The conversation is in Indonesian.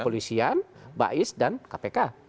kepolisian bais dan kpk